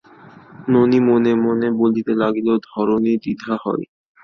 ননি মনে মনে বলিতে লাগিল, ধরণী, দ্বিধা হও।